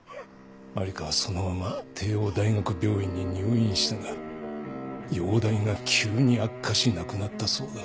麻里香はそのまま帝王大学病院に入院したが容体が急に悪化し亡くなったそうだ。